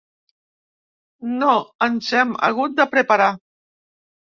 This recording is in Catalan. No, ens hem hagut de preparar.